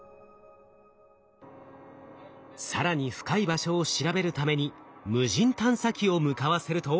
更に深い場所を調べるために無人探査機を向かわせると。